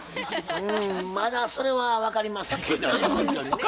うんまだそれは分かりませんけどね。